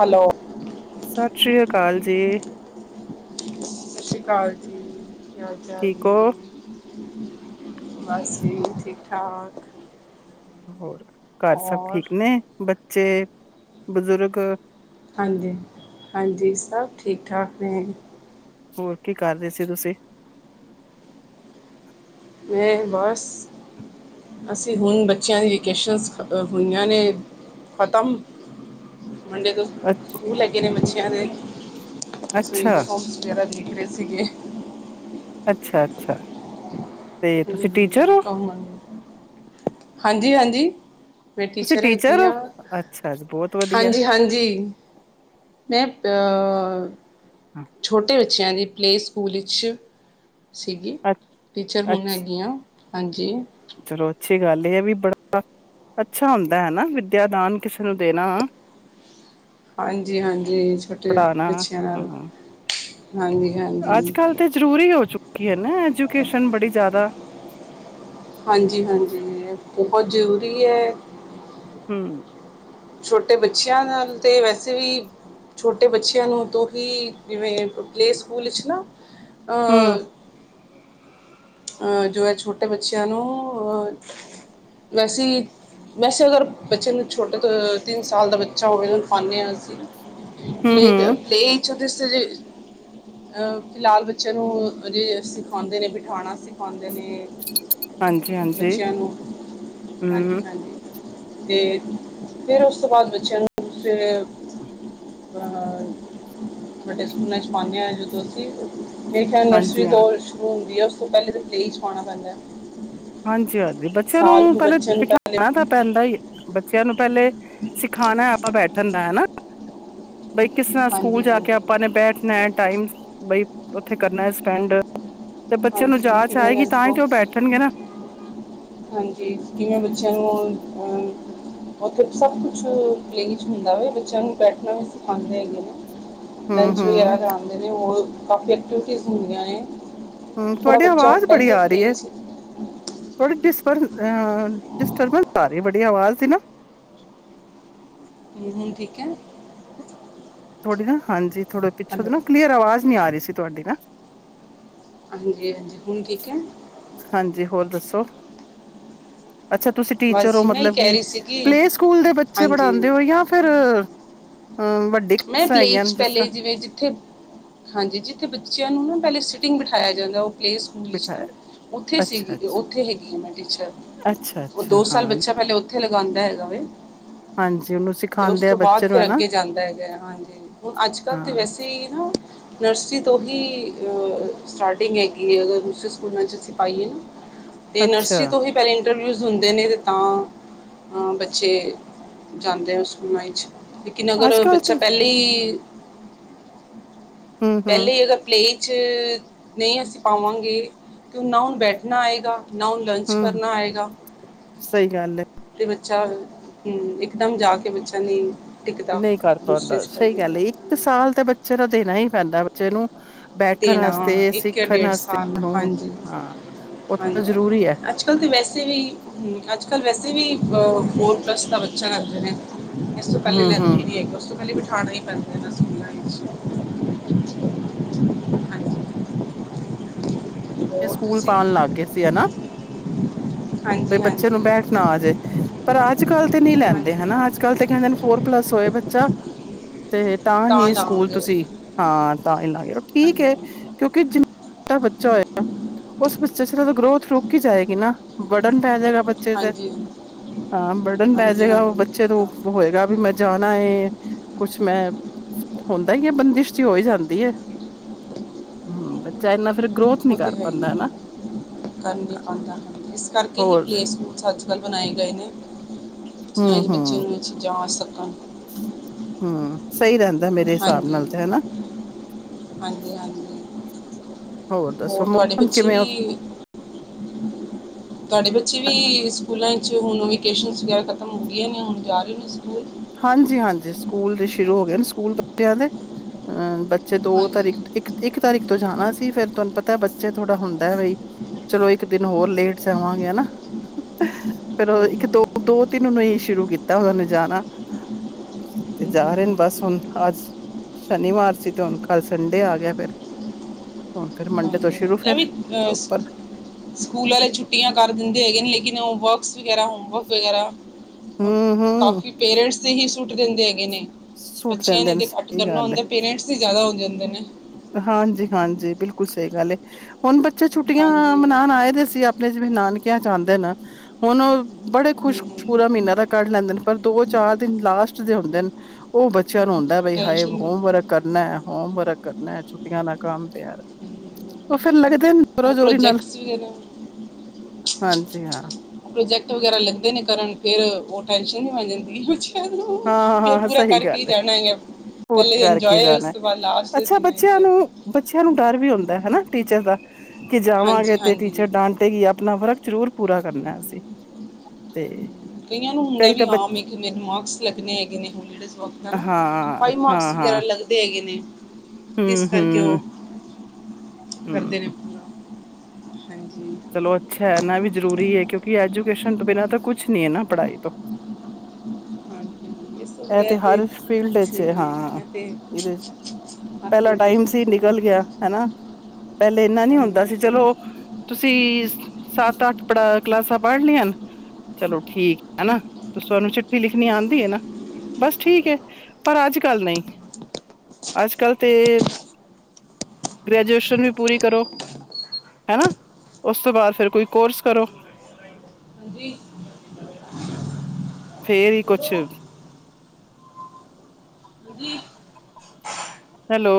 Hello. Sat Sri ਅਕਾਲ ਜੀ। ਸਤ ਸੀ ਅਕਾਲ ਜੀ, ਕੀ ਹਾਲ ਚਾਲ ਠੀਕ ਜੀ? ਹੋ ਬਸ ਜੀ ਠੀਕ-ਠਾਕ। ਹੋਰ ਘਰ ਸਭ ਹੋਰ ਠੀਕ ਨੇ ਬੱਚੇ, ਬਜ਼ੁਰਗ। ਹਾਂਜੀ- ਹਾਂਜੀ ਸਭ ਠੀਕ-ਠਾਕ ਨੇ। ਹੋਰ ਕੀ ਕਰ ਰਹੇ ਸੀ ਤੁਸੀਂ? ਮੈਂ ਬਸ ਅਸੀਂ ਹੁਣ ਬੱਚਿਆਂ ਦੀ ਵੇਕੇਸ਼ਨ ਹੋਈਆਂ ਨੇ ਖ਼ਤਮ। ਮੰਡੇ ਤੋਂ ਅੱਛਾ ਸਕੂਲ ਹੈਗੇ ਨੇ ਬੱਚਿਆਂ ਦੇ, ਬਸ ਅੱਛਾ ਯੂਨੀਫਾਰਮਸ ਵਗੈਰਾ ਦੇਖ ਰਹੇ ਸੀਗੇ। ਅੱਛਾ-ਅੱਛਾ। ਹੂੰ, ਮੈਂ ਕਵਾਂਗੀ, ਹਾਂਜੀ-ਹਾਂਜੀ। ਮੈਂ ਤੁਸੀਂ ਟੀਚਰ ਹੈਗੀ ਹੋ ਹਾਂ, ਅੱਛਾ ਜੀ, ਬਹੁਤ ਵਧੀਆ ਹਾਂਜੀ-ਹਾਂਜੀ। ਮੈਂ ਪਅਅਅ ਹੂੰ। ਛੋਟੇ ਬੱਚਿਆਂ ਦੀ ਪਲੇਅ ਸਕੂਲ ਵਿੱਚ ਸੀਗੀ, ਟੀਚਰ ਹੁਣ ਅੱਛਾ ਹੈਗੀ ਆਂ ਹਾਂਜੀ। ਚਲੋ ਅੱਛੀ ਗੱਲ ਇਹ ਆ ਵੀ ਬੜਾ ਅੱਛਾ ਹੁੰਦਾ ਹੈ ਨਾ ਵਿਦਿਆ ਦਾਨ ਕਿਸੇ ਨੂੰ ਦੇਣਾ ਹਾਂਜੀ, ਹਾਂਜੀ ਛੋਟੇ ਪੜ੍ਹਾਣਾ ਬੱਚਿਆਂ ਨਾਲ ਹਾਂ ਹਾਂਜੀ, ਅੱਜ ਹਾਂਜੀ ਕੱਲ ਤੇ ਜ਼ਰੂਰੀ ਹੋ ਚੁੱਕੀ ਹੈ ਨਾ ਐਜੂਕੇਸ਼ਨ ਬੜੀ ਜ਼ਿਆਦਾ ਹਾਂਜੀ- ਹਾਂਜੀ ਇਹ ਬਹੁਤ ਜ਼ਰੂਰੀ ਹੈ। ਹੂ,,, ਛੋਟੇ ਬੱਚਿਆਂ ਨਾਲ ਤੇ ਵੈਸੇ ਵੀ ਛੋਟੇ ਬੱਚਿਆਂ ਨੂੰ ਤੁਹੀ ਜਿਵੇਂ ਪਲੇ ਸਕੂਲ ਵਿੱਚ ਨਾ ਹਮ ਅ ਅਹ ਜਿਵੇਂ ਛੋਟੇ ਬੱਚਿਆਂ ਨੂੰ ਅਹ ਵੈਸੇ ਹੀ ਵੈਸੇ ਅਗਰ ਬੱਚੇ ਨੂੰ ਛੋਟੇ ਤੋਂ ਤਿੰਨ ਸਾਲ ਦਾ ਬੱਚਾ ਹੋਵੇ ਉਹਨੂੰ ਪਾਉਂਦੇ ਹਾਂ ਅਸੀਂ, ਹਮ ਪਲੇ ਤੇ ਹਮ ਪਲੇ ਅੱਛਾ ਤੁਸੀਂ ਹਜੇ ਆ ਫਿਲਹਾਲ ਬੱਚਿਆਂ ਨੂੰ ਅਜੇ ਸਿਖਾਉਂਦੇ ਨੇ, ਖਾਣਾ ਸਿਖਾਉਂਦੇ ਨੇ ਹਾਂਜੀ ਹਾਂਜੀ ਬੱਚਿਆਂ ਨੂੰ ਹਮ ਹਾਂਜੀ ਹਾਂਜੀ! ਤੇ ਫਿਰ ਉਸ ਤੋਂ ਬਾਅਦ ਬੱਚਿਆਂ ਨੂੰ ਕੁਛ! [inaudible] [unintelligible] ਵੱਡੇ ਸਕੂਲਾਂ ਚ ਪਾਉਂਦੇ ਹਾਂ ਜਦੋਂ ਤੁਸੀਂ ਮੇਰੇ ਖਿਆਲ ਨਰਸਰੀ ਹਾਂਜੀ ਹਾਂ ਤੋਂ ਸ਼ੁਰੂ ਹੁੰਦੀ ਹੈ ਉਸ ਤੋਂ ਪਹਿਲੇ ਤਾਂ ਪਲੇਈ ਚ ਪਾਉਣਾ ਪੈਂਦਾ ਹੈ। ਹਾਂਜੀ ਹਾਂਜੀ ਬੱਚਿਆਂ ਸਾਲ ਨੂੰ ਕੁ ਪਹਿਲੇ ਬੱਚੇ ਨੂੰ ਪਹਿਲੇ ਬਿਠਾਣਾ ਤਾਂ ਪੈਂਦਾ ਹੀ ਹੈ। ਬੱਚਿਆਂ ਨੂੰ ਪਹਿਲੇ ਸਿਖਾਣਾ ਆਪਾਂ ਬੈਠਣ ਦਾ ਹਨਾ! ਬਈ ਕਿਸ ਤਰ ਹਾਂਜੀ ਸਕੂਲ ਜਾ ਕੇ ਹਾਂਜੀ ਆਪਾਂ ਨੇ ਬੈਠਣਾ ਹੈ। ਟਾਈਮ ਬਈ ਉੱਥੇ ਕਰਨਾ ਸਪੈਂਡ ਤੇ ਬੱਚਿਆਂ ਨੂੰ ਹਾਂਜੀ ਜਾਚ ਕਿਵੇਂ ਆਏਗੀ ਲੰਚ ਤਾਂ ਹੀ ਤੇ ਉਹ ਬਾਕਸ ਬੈਠਣਗੇ ਨਾ ਹਾਂਜੀ, ਕਿਵੇਂ ਬੱਚਿਆਂ ਨੂੰ ਅਹ ਉੱਥੇ ਸਭ ਕੁਛ ਪਲੇ ਚ'ਹੁੰਦਾ ਵੇ ਬੱਚਿਆਂ ਨੂੰ ਬੈਠਣਾ ਵੀ ਸਿਖਾਂਦੇ ਹੈਗੇ ਨੇ ਹੂੰ-ਹੂੰ ਲੰਚ ਵਗੈਰਾ ਹੂੰ ਕਰਾਉਂਦੇ ਨੇ ਹੋਰ ਕਾਫੀ ਐਕਟੀਵਿਟੀਸ ਹੁੰਦੀਆਂ ਨੇ ਹੂ ਥੋੜਾ ਤੁਹਾਡੀ ਬੱਚਾ ਆਵਾਜ਼ ਬੜੀ ਪਹਿਲੇ ਆ ਰਹੀ ਹੈ। ਪਲੇ ਸੀ ਥੋੜੀ ਡਿਸਟਰਬਸ ਆ ਰਹੀ ਬੜੀ ਆਵਾਜ਼ ਦੀ ਨਾ। ਹੁਣ ਹੁਣ ਠੀਕ ਹੈ। ਥੁਹਡੀ ਨਾ ਹਾਂਜੀ, ਥੋੜੇ ਪਿੱਛੋਂ ਦੀ ਹੈਲੋ ਨਾ ਕਲੀਅਰ ਆਵਾਜ਼ ਨੀ ਆ ਰਹੀ ਸੀ ਤੁਹਾਡੀ ਨਾ ਹਾਂਜੀ, ਹਾਂਜੀ ਹੁਣ ਠੀਕ ਹੈ। ਹਾਂਜੀ, ਹੋਰ ਦੱਸੋ। ਅੱਛਾ ਤੁਸੀਂ ਟੀਚਰ ਬਸ ਹੋ। ਜੀ ਮੈਂ ਹੀ ਮਤਲਬ ਕਹਿ ਕਿ ਰਹੀ ਸੀ ਕਿ ਪਲੇ ਸਕੂਲ ਦੇ ਬੱਚੇ ਹਾਂਜੀ ਪੜ੍ਹਾਉਂਦੇ ਹੋ ਜਾਂ ਫਿਰ ਹੂ ਵੱਡ ਮੈਂ ਪਲੇ ਚ ਪਹਿਲੇ ਜਿਵੇਂ ਜਿੱਥੇ, ਹਾਂਜੀ ਜਿੱਥੇ ਬੱਚਿਆਂ ਨੂੰ ਨਾ ਪਹਿਲੇ ਸਿਟਿੰਗ ਬਿਠਾਇਆ ਜਾਂਦਾ ਉਹ ਪਲੇਸ ਹੁੰਦੀ ਸੀ ਨਾ ਬਿਠਾਇਆ ਉੱਥੇ ਸੀ ਅੱਛਾ-ਅੱਛਾ, ਉੱਥੇ ਹੈਗੀ ਆ ਮੈਂ ਟੀਚਰ ਉਹ ਅੱਛਾ-ਅੱਛਾ ਦੋ ਸਾਲ ਹਾਂ ਬੱਚਾ ਪਹਿਲਾ ਉੱਥੇ ਲਗਾਉਂਦਾ ਹੈਗਾ ਵੇ ਹਾਂਜੀ ਉਹਨੂੰ ਤੇ ਉਸ ਸਿਖਾਂਦੇ ਆ ਤੋਂ ਬਾਅਦ ਬੱਚੇ ਨੂੰ ਫਿਰ ਹਨਾ ਅੱਗੇ ਜਾਂਦਾ ਹੈਗਾ ਹਾਂਜੀ ਹੁਣ ਅੱਜ ਕੱਲ ਤੇ ਹਾਂ ਵੈਸੇ ਹੀ ਨਾ ਨਰਸਰੀ ਤੋਂ ਹੀ ਅਹ! ਸਟਾਰਟਿੰਗ ਹੈਗੀ ਅਗਰ ਦੂਸਰੇ ਸਕੂਲਾਂ ਚ ਅਸੀ ਪਾਈਏ ਨਾ ਤੇ ਅੱਛਾ ਨਰਸਰੀ ਤੋਂ ਹੀ! ਪਹਿਲੇ ਇੰਟਰਵਿਊਜ ਹੁੰਦੇ ਨੇ ਤੇ ਤਾਂ ਬੱਚੇ ਜਾਂਦੇ ਨੇ ਸਕੂਲਾਂ ਵਿੱਚ, ਲੇਕਿਨ ਅਗਰ ਅੱਜ-ਕੱਲ ਬੱਚਾ ਤੇ ਪਹਿਲੇ ਹੀ! ਹੂੰ-ਹੂੰ, ਪਹਿਲੇ ਹੀ ਅਗਰ! ਪਲੇ ਚ ਨਹੀਂ ਅਸੀਂ ਪਾਵਾਂਗੇ ਤੇ ਉਹ ਨਾ ਉਹਨੂੰ ਬੈਠਣਾ ਆਏਗਾ ਨਾ ਉਹ ਲੰਚ ਹੂੰ ਹੂੰ ਕਰਨਾ ਆਏਗਾ ਸਹੀ ਗੱਲ ਏ ਤੇ ਬੱਚਾ ਹੂ ਇਕਦਮ ਜਾ ਕੇ ਬੱਚਾ ਨਹੀਂ! ਟਿਕਦਾ ਨਹੀਂ ਕਰ ਦੂਸਰੇ ਪਾਉਂਦਾ ਸਹੀ ਸਿਪਾਹੀਏ ਗੱਲ ਇੱਕ ਤੇ ਸਾਲ ਤਾਂ ਬੱਚੇ ਨੂੰ ਦੇਣਾ ਹੀ ਪੈਂਦਾ, ਬੱਚੇ ਨੂੰ ਬੈਠਣ ਦੇਣਾ ਵਾਸਤੇ ਇੱਕ ਜਾਂ ਸਿੱਖਣ ਡੇਢ ਵਾਸਤੇ ਸਾਲ ਨੂੰ ਹਾਂਜੀ ਹਾਂ ਉਹ ਹਾਂਜੀ ਤਾ ਜ਼ਰੂਰੀ ਹੈ! ਅੱਜ ਕੱਲ ਤਾਂ ਵੈਸੇ ਵੀ ਅੱਜ ਕੱਲ ਵੈਸੇ ਵੀ ਫੋਰਥ ਪਲੱਸ ਦਾ ਬੱਚਾ ਕਰਦੇ ਨੇ, ਇਸ ਤੋਂ ਪਹਿਲੇ ਲੈਂਦੇ ਹੂੰ-ਹੂੰ ਨੀ ਹੈਗੇ ਉਸ ਤੋਂ ਪਹਿਲੇ ਬਿਠਾਣਾ ਹੀ ਪੈਂਦਾ ਇਨਾ ਸਕੂਲਾਂ ਵਿੱਚ, ਹਾਂਜੀ ਤੇ ਹੋਰ ਸਕੂਲ ਤੁਸੀਂ ਪਾਉਣ ਲੱਗ ਗਏ ਸੀ, ਹਨਾ! ਬਈ ਹਾਂਜੀ ਬੱਚੇ ਹਾਂਜੀ ਨੂੰ ਬੈਠਣਾ ਆ ਜਾਏ। ਪਰ ਅੱਜ ਕੱਲ ਤੇ ਨਹੀਂ ਲੈਂਦੇ। ਹਾਂਜੀ ਹਨਾ ਅੱਜ ਕੱਲ ਤੇ ਕਹਿੰਦੇ ਫੋਰ ਪਲੱਸ ਹੋਏ ਬੱਚਾ। ਤੇ ਤਾਂ ਹੀ ਸਕੂਲ ਤੁਸੀਂ, ਹਾਂ ਤਾਂ ਹੀ ਲਗੇ ਠੀਕ ਹੈ। ਹਾਂਜੀ ਕਿਉਕਿ ਜਿੰਨਾ, ਬੱਚਾ ਹੋਇਗਾ। ਉਸ ਬੱਚੇ ਚ ਗਰੋਥ ਰੁਕ ਹੀ ਜਾਏਗੀ ਨਾ। ਬੁਰਡਨ ਪੈ ਜਾਏਗਾ ਬੱਚੇ ਤੇ, ਹਾਂਜੀ ਹਾਂ ਬੁਰਡਨ ਪੈ ਹਾਂਜੀ ਜਾਏਗਾ ਉਹ। ਹਾਂਜੀ ਬੱਚੇ ਨੂੰ ਉਹ ਕਿਤਾਬ ਹੋਏਗਾ ਬਾਈ ਮੈਂ ਜਾਣਾ ਹੈ। ਕੁਛ ਮੈ ਹੁੰਦਾ ਹੀ ਹੈ, ਬੰਦਿਸ਼ ਜੀ ਹੋ ਹੀ ਜਾਂਦੀ ਹੈ। ਹੂੰ। [unintelligible] ਉਹ ਤੇ ਹੈ ਹੀ, ਹੈ। [unintelligible] ਹਨ ਇਸ ਕਰਕੇ ਹੀ ਹੋਰ ਪਲੇ ਸਕੂਲ। ਅੱਜ ਕੱਲ ਬਣਾਏ ਗਏ ਨੇ। ਜਿ ਬੱਚੇ ਨੂੰ ਉਸ ਵਿੱਚ ਲੇ ਜਾ ਸਕਣ। ਹੂੰ, ਸਈ ਰਹਿੰਦਾ ਮੇਰੇ ਹਿਸਾਬ ਨਾਲ ਹਾਂਜੀ ਤੇ, ਹਨਾ। ਹਾਂਜੀ- ਹਾਂਜੀ ਦੱਸੋ ਹੋਰ ਤੁਆਡੀ ਮੌਸਮ ਬੱਚੀ ਕਿਵੇਂ ਵੀ- ਤਾਡੇ ਬੱਚੇ ਵੀ ਸਕੂਲਾਂ ਵਿੱਚ ਹੁਣ ਵਕੇਸ਼ਨ ਵਗੈਰਾ ਖਤਮ ਹੋ ਗਈਆਂ ਨੇ। ਹੁਣ ਜਾ ਰਹੇ ਨੇ ਸਕੂਲ। ਹਾਂਜੀ -ਹਾਂਜੀ ਸਕੂਲ ਤੇ ਸ਼ੁਰੂ ਹੋ ਗਏ ਹਨ। ਸਕੂਲ ਬੱਚਿਆਂ ਦੇ। ਆ ਬੱਚੇ ਦੋ ਹਾਂਜੀ ਤਾਰੀਕ ਹਮ, ਇੱਕ, ਇੱਕ ਤਾਰੀਕ ਤੋਂ ਜਾਣਾ ਸੀ। ਫੇਰ ਤੁਆਨੂੰ ਪਤਾ- ਬੱਚੇ ਥੋੜਾ ਹੁੰਦਾ ਵਈ। ਚਲੋ ਇੱਕ ਦਿਨ ਹੋਰ ਲੇਟ ਜਾਵਾਂਗੇ, ਹਨਾ। ਫੇਰ ਓ ਇੱਕ ਦੋ, ਦੋ, ਤਿੰਨ ਨੂੰ ਈ ਸ਼ੁਰੂ ਕੀਤਾ ਓਨਾ ਨੇ ਜਾਣਾ। ਤੇ ਜਾ ਰੇ ਨੇ, ਹਮ, ਬਸ ਹੁਣ ਅਜ। ਸ਼ਨੀਵਾਰ ਸੀ ਤੇ ਹੁਣ ਕੱਲ ਸੰਡੇ ਆ ਗਿਆ ਫੇਰ। ਹੁਣ ਫੇਰ ਮੰਡੇ- ਹਾਂਜੀ ਸ਼ੁਰੂ ਹਾਂਜੀ। ਇਹ ਫੇਰ ਵੀ ਅ ਪੇਪਰ। ਸਕੂਲ ਵਾਲੇ ਛੁੱਟੀਆਂ ਕਰ ਦਿੰਦੇ ਹੈਗੇ ਨੇ ਲੇਕਿਨ, ਉਹ ਵਰਕਸ ਵਗੈਰਾ ਹੋਮ ਵਰਕ ਵਗੈਰਾ। ਹੂੰ ਹੂੰ ਕਾਫੀ ਪੇਰੈਂਟਸ ਤੇ ਹੀ, ਸੁੱਟ ਦਿੰਦੇ ਹੈਗੇ ਨੇ। ਸੁੱਟ ਬੱਚਿਆਂ ਜਾਂਦੇ ਨੇ ਤੇ ਘੱਟ ਸਹੀ ਕਰਨਾ ਹੁੰਦਾ। ਪੇਰੈਂਟਸ ਹੀ ਜਿਆਦਾ ਹੋ ਜਾਂਦੇ ਨੇ। ਹਾਂਜੀ- ਹਾਂਜੀ ਬਿਲਕੁਲ ਸਹੀ ਗੱਲ ਏ। ਹੁਣ ਬੱਚੇ ਛੁੱਟੀਆਂ ਹਾਂਜੀ ਮਨਾਣ ਆਏ ਦੇ ਸੀ। ਤੇ ਜਿਵੇ ਨਾਨਕਿਆਂ ਚ ਆਂਦੇ ਹਾਂ ਨਾ। ਹੁਣ ਉਹ ਬੜੇ ਖੁਸ਼ ਖੁ ਪੂਰਾ ਮਹੀਨਾ ਤਾਂ ਕੱਢ ਲੈਂਦੇ ਨੇ। ਪਰ ਦੋ ਚਾਰ ਦਿਨ ਲਾਸਟ ਦੇ ਹੁੰਦੇ ਨੇ, ਉਹ ਬੱਚਿਆਂ ਨੂੰ ਹੁੰਂਦਾ। ਬਈ ਹਾਏ ਟੈਨਸ਼ਨ ਹੋਮਵਰਕ ਕਰਨਾ ਹੋਮਵਰਕ। ਕਰਨਾ ਛੁੱਟੀਆਂ ਦਾ ਕੰਮ ਪਿਆ, ਉਹ ਫੇਰ ਲੱਗਦਾ। ਉਹ ਪ੍ਰੋਜੈਕਟਸ ਵਗੈਰਾ [unintelligible] ਪ੍ਰੋਜੈਕਟ ਵਗੈਰਾ ਲੈਂਦੇ ਨੇ ਕਰਨ, ਫੇਰ ਉਹ ਟੈਨਸ਼ਨ ਹੋ ਜਾਂਦੀ। ਕੁਛ, ਵੀ ਪੂ। ਕੀ ਪੂਰਾ ਕਰਕੇ ਹੀ ਜਾਣਾ ਹੈ। ਪੂਰ ਕਰਕੇ ਜਾਣਾ। ਅੱਛਾ ਦਿਨਾਂ ਬੱਚਿਆਂ ਵਿੱਚ ਨੂੰ- ਬੱਚਿਆਂ ਨੂੰ ਡਰ ਵੀ ਹੁੰਦਾ ਹਨਾ, ਟੀਚਰ ਦਾ। ਕੀ ਜਾਵਾਂਗੇ ਹਾਂਜੀ ਤੇ ਹਾਂਜੀ ਟੀਚਰ ਡਾਂਟੇਗੀ ਆਪਣਾ ਵਰਕ- ਜ਼ਰੂਰ ਪੂਰਾ ਕਰਨਾ ਅਸੀਂ, ਤੇ- ਕਈਆਂ ਨੂੰ ਹੁੰਦਾ ਕਈ ਤਾਂ ਵੀ ਹਾਂ। ਬੱਚੇ ਮੈਂ ਕੀ ਮੇਰੇ ਮਾਰਕਸ ਲੱਗਣੇ ਹੈਗੇ ਨੇ, ਹੋਲੀ- ਹਨਾ, ਹਾਂ, ਬਈ ਮਾਕਸ ਵਗੈਰਾ ਹਾਂ-ਹਾਂ, ਲੱਗਦੇ ਹੈਗੇ ਨੇ। ਇਸ ਕਰਕੇ ਹੂੰ-ਹੂੰ, ਓ- ਹੂੰ। ਹਾਂਜੀ। ਚਲੋ ਅੱਛਾ ਐ ਨਾ, ਐਵੀ ਜ਼ਰੂਰੀ ਏ। ਕਿਉਂਕਿ ਐਜੂਕੇਸ਼ਨ ਤੋਂ ਬਿਨਾਂ ਤਾਂ ਕੁਛ ਨੀ ਏ ਨਾ ਪੜਾਈ ਤੋਂ- ਹਾਂਜੀ ਇਸ ਤੋਂ [inaudible] ਐ ਤੇ ਬਗੈਰ ਹਰ ਫੀਲਡ ਕੁਛ ਵਿੱਚ ਵੀ ਏ, ਨਹੀਂ ਹੈ ਹਾਂ। ਮੈਂ ਤੇ ਏਦੇ, ਚ ਹਰ ਪੈਲਾ ਕੋਈ ਟਾਈਮ ਸੀ ਡਿਸਕਸ਼ਨ ਨੂੰ ਨਿਕਲ ਗਿਆ। ਹਾਂਜੀ ਹਨਾ, ਪੈਲੇ ਏਨਾ ਨੀ ਹੁੰਦਾ ਸੀ। ਚਲੋ- ਹਾਂਜੀ ਤੁਸੀਂ ਸੱਤ, ਅੱਠ ਪੜਾ ਕਲਾਸਾਂ ਪੜ ਲੀਆਂ ਹਨ। ਚਲੋ ਠੀਕ, ਹਨਾ ਤੇ ਤੁਸਾਨੂੰ ਚਿੱਠੀ ਲਿਖਣੀ ਆਂਦੀ ਏ ਨਾ। ਬਸ ਠੀਕ ਏ। ਪਰ ਅੱਜ ਕੱਲ ਨਈ। ਅੱਜ ਕੱਲ ਤੇ- ਗ੍ਰੈਜੂਏਸ਼ਨ ਵੀ ਪੂਰੀ ਕਰੋ। ਉਸ ਤੋਂ ਬਾਦ ਫੇਰ, ਕੋਈ ਕੋਰਸ ਕਰੋ। ਹਾਂਜੀ- [inaudible] ਫੇਰ ਈ ਕੁੱਛ- ਬੋਲੋ ਹਾਂਜੀ ਹੈਲੋ।